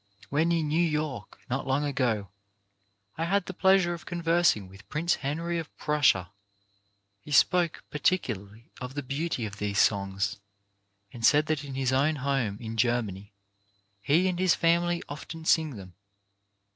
When in New York, not long ago, I had the pleasure of conversing with Prince Henry of Prussia, he spoke particularly of the beauty of these songs, and said that in his own home, in Germany, he and his family often sing them.